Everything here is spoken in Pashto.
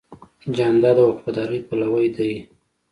جانداد د وفادارۍ پلوی دی.